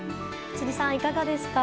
辻さん、いかがですか？